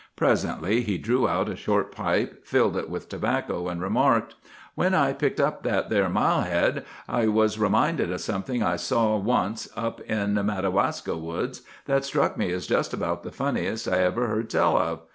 Presently he drew out a short pipe, filled it with tobacco, and remarked— "'When I picked up that there mall head, I was reminded of something I saw once up in the Madawaska woods that struck me as just about the funniest I ever heard tell of.